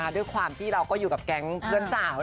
ด้วยความที่เราก็อยู่กับแก๊งเพื่อนสาว